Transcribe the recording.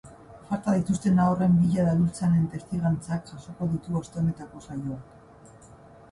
Falta dituzten haurren bila dabiltzanen testigantzak jasoko ditu aste honetako saioak.